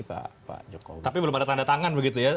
pak jokowi tapi belum ada tanda tangan begitu ya